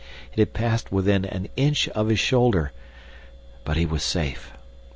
It had passed within an inch of his shoulder, but he was safe!